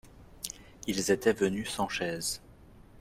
Ils étaient venus sans chaise.